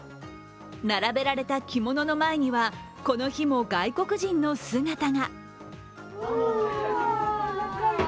並べられた着物の前にはこの日も、外国人の姿が。